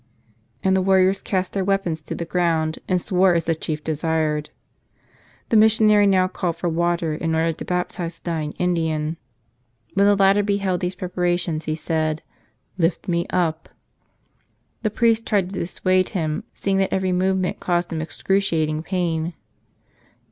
And the warriors cast their weapons to the ground and swore as the chief desired. The missionary now called for water in order to baptize the dying Indian. When the latter beheld these preparations he said, "Lift me up!" The priest tried to dissuade him, seeing that every movement caused him excruciating pain.